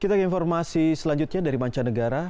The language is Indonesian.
kita ke informasi selanjutnya dari mancanegara